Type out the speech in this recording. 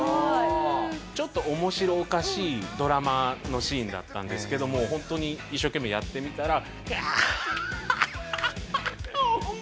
ちょっと面白おかしいドラマのシーンだったんですけどもホントに一生懸命やってみたらアーハッハッハッハッオーマイガー！